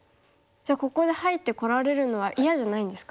じゃあここで入って来られるのは嫌じゃないんですか。